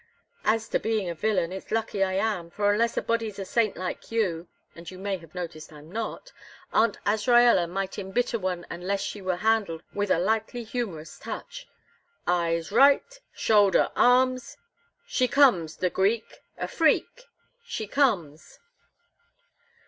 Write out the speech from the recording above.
"As to being a villain, it's lucky I am, for unless a body's a saint like you and you may have noticed I'm not Aunt Azraella might embitter one unless she were handled with a lightly humorous touch. Eyes right! Shoulder arms! She comes, the Greek a freak? she comes!"